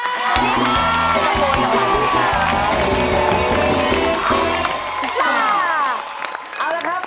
ซ่า